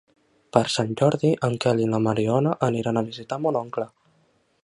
Per Sant Jordi en Quel i na Mariona aniran a visitar mon oncle.